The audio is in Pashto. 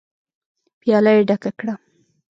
پياله يې ډکه کړه.